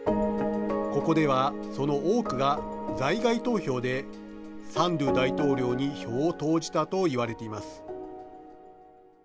ここではその多くが在外投票でサンドゥ大統領に票を投じたといわれています。